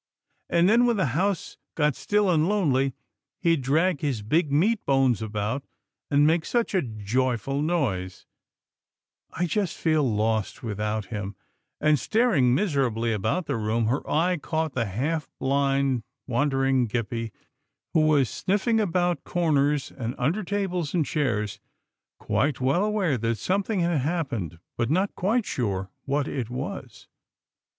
And then when the house got still and lonely, he'd drag his big meat bones about and make such a joyful noise — I just feel lost with out him," and, staring miserably about the room, her eye caught the half blind, wandering Gippie who was sniffing about corners, and under tables and chairs, quite well aware that something had happened, but not quite sure what it was.